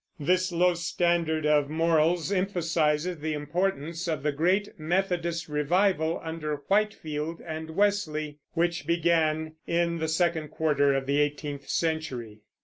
This low standard of morals emphasizes the importance of the great Methodist revival under Whitefield and Wesley, which began in the second quarter of the eighteenth century.